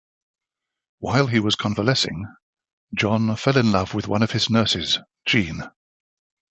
While he was convalescing, John fell in love with one of his nurses, Jean.